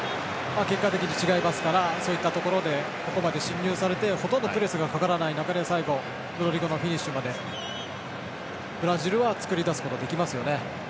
結果的に違いますからそういったところで侵入されてほとんどプレスがかからない中で最後ロドリゴがシュートまでブラジルは作り出すことができますよね。